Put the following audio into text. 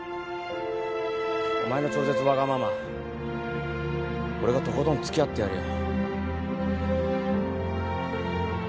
お前の超絶ワガママ俺がとことんつきあってやるよ